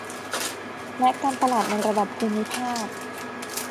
และการตลาดในระดับภูมิภาค